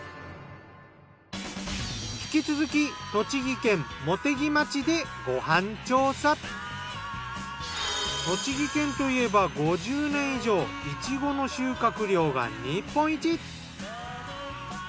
引き続き栃木県といえば５０年以上イチゴの収穫量が日本一。